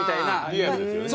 リアルですよね。